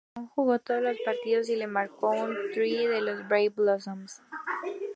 Salmon jugó todos los partidos y le marcó un try a los Brave Blossoms.